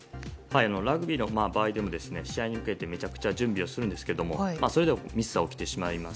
ラグビーの場合でも試合に向けてめちゃくちゃ準備をするんですけどそれでもミスは起きてしまいます。